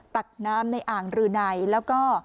ตักน้ำในอ่างรืนัยแล้วก็